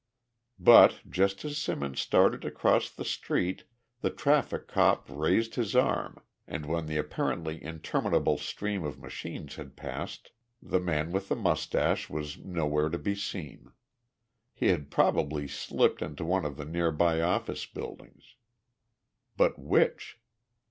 But just as Simmons started to cross the street the traffic cop raised his arm, and when the apparently interminable stream of machines had passed, the man with the mustache was nowhere to be seen. He had probably slipped into one of the near by office buildings. But which?